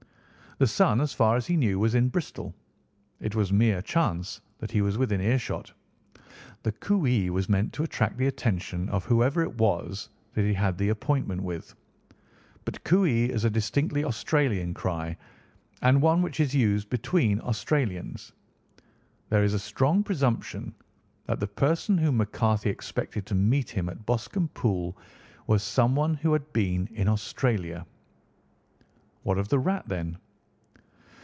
The son, as far as he knew, was in Bristol. It was mere chance that he was within earshot. The 'Cooee!' was meant to attract the attention of whoever it was that he had the appointment with. But 'Cooee' is a distinctly Australian cry, and one which is used between Australians. There is a strong presumption that the person whom McCarthy expected to meet him at Boscombe Pool was someone who had been in Australia." "What of the rat, then?"